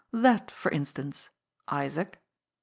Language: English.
"That, for instance Isaac."